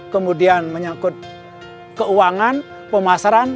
kemudian menyangkut keuangan pemasaran